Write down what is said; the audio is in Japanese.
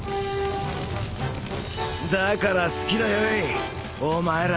だから好きだよいお前ら。